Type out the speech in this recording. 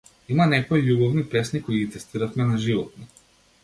Има некои љубовни песни кои ги тестиравме на животни.